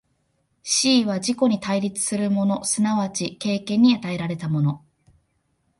思惟は自己に対立するもの即ち経験に与えられたもの、